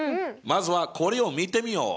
まずはこれを見てみよう。